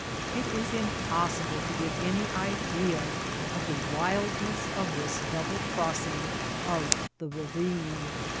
It is impossible to gire any idea of the wildness of this double crossing of the ravine.